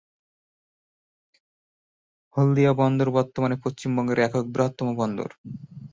হলদিয়া বন্দর বর্তমানে পশ্চিমবঙ্গের একক বৃহত্তম বন্দর।